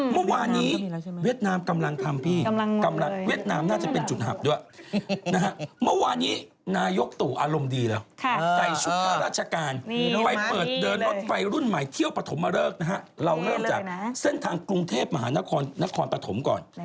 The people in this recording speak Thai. เมื่อวานนี้เวียดนามกำลังทำพี่กำลังเวียดนามน่าจะเป็นจุดหับด้วยนะฮะเมื่อวานนี้นายกตู่อารมณ์ดีเลยใส่ชุดค่าราชการไปเปิดเดินรถไฟรุ่นใหม่เที่ยวปฐมเริกนะฮะเราเริ่มจากเส้นทางกรุงเทพมหานครนครปฐมก่อน